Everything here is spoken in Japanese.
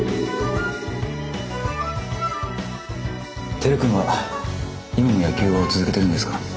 輝君は今も野球を続けてるんですか？